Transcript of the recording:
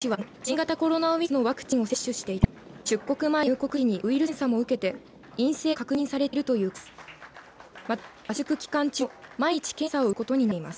選手たちは全員新型コロナウイルスのワクチンを接種していて出国前や入国時にウイルス検査も受けて陰性が確認されているということです。